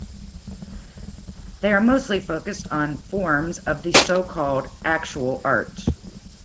They are mostly focused on forms of the so-called "actual" art.